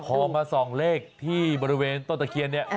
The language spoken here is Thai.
คนมาที่สายเลขในบริเวณต้นตะเคียน